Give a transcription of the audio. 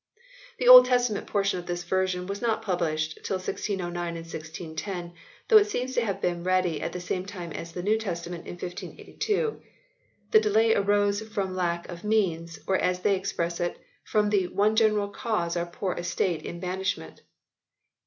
The Old Testament portion of this version was not published till 1609 and 1610 though it seems to have been ready at the same time as the New Testament in 1582. The delay arose from lack of means, or as they express it, from the " one general cause our poore estate in banishment."